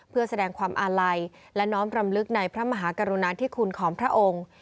เพื่อแสดงความอาลัยและน้อมรำลึกในพระมหากรุณาธิคุณของพระองค์